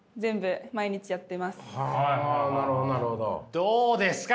どうですか？